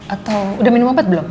atau udah minum obat belum